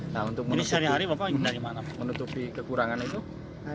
jadi sehari hari bapak menutupi kekurangan itu